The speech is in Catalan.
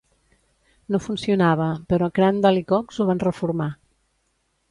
No funcionava, però Crandall i Cox ho van reformar.